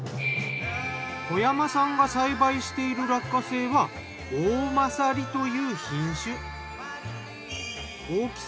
小山さんが栽培している落花生はおおまさりという品種。